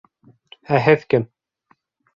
Ә һеҙ кем?